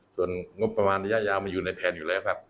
ส่วนงบประมาณระยะยาวมันอยู่ในแผนอยู่แล้วครับ